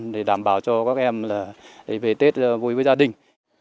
để đảm bảo cho các em về tết vui với gia đình